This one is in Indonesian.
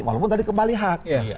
walaupun tadi kembali hak